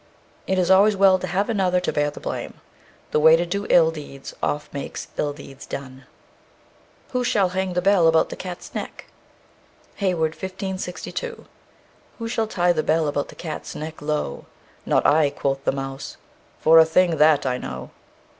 _ It is always well to have another to bear the blame. The way to do ill deeds oft makes ill deeds done. Who shall hang the bell about the cat's neck? HEYWOOD, 1562. "Who shall ty the bell about the cat's necke low? Not I (quoth the mouse), for a thing that I know."